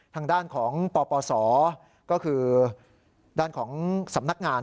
ทางด้านของปปศก็คือด้านของสำนักงาน